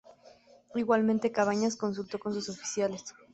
Igualmente Cabañas consultó con sus oficiales.